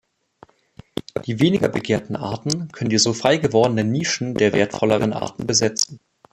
Die weniger begehrten Arten können die so frei gewordenen Nischen der wertvolleren Arten besetzen.